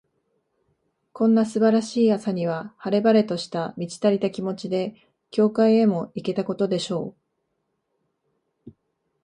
こんな素晴らしい朝には、晴れ晴れとした、満ち足りた気持ちで、教会へも行けたことでしょう。